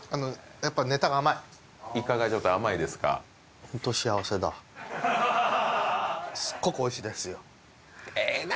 やっぱイカがちょっと甘いですかホント幸せだすっごくおいしいですよええな